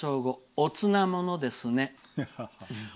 おつなものですね。